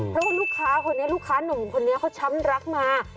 เพราะว่าลูกค้าคนนี้ลูกค้านุ่มคนนี้เขาช้ำรักมา